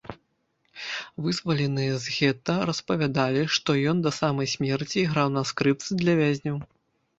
Вызваленыя з гета распавядалі, што ён да самай смерці іграў на скрыпцы для вязняў.